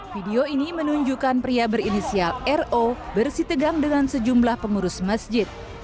video ini menunjukkan pria berinisial ro bersitegang dengan sejumlah pengurus masjid